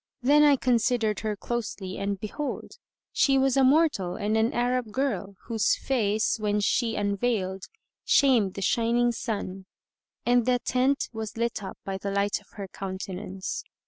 Then I considered her closely and behold, she was a mortal and an Arab girl, whose face, when she unveiled, shamed the shining sun, and the tent was lit up by the light of her countenance.